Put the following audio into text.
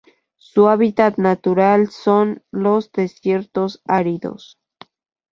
Su hábitat natural son: los desiertos áridos.